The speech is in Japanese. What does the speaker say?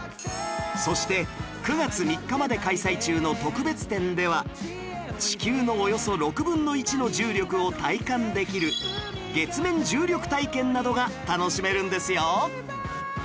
そして９月３日まで開催中の特別展では地球のおよそ６分の１の重力を体感できる月面重力体験などが楽しめるんですよ